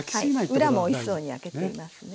裏もおいしそうに焼けていますね。